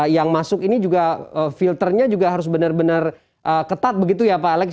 yang masuk ini juga filternya juga harus benar benar ketat begitu ya pak alex